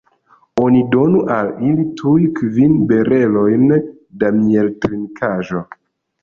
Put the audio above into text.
Oni donu al ili tuj kvin barelojn da mieltrinkaĵo!